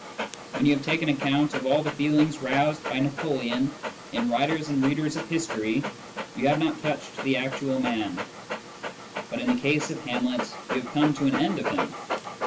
When you have taken account of all the feelings roused by Napoleon in writers and readers of history, you have not touched the actual man ; but in the case of Hamlet you have come to the end of him.